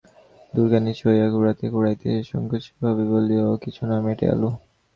দুর্গা নিচু হইয়া কুড়াইতে কুড়াইতে সংকুচিতভাবে বলিল, ও কিছু না, মেটে আলু।